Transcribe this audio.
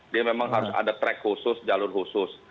dia memang harus ada track khusus jalur khusus